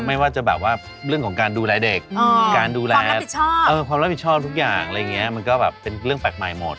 ไม่ว่าจะแบบว่าเรื่องของการดูแลเด็กฟังรับผิดชอบมันก็เป็นเรื่องแปลกใหม่หมด